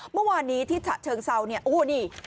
เมื่อวานนี้ที่ฉะเชิงเซาเนี่ยโอ้นี่